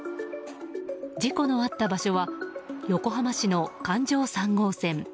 事故のあった場所は横浜市の環状３号線。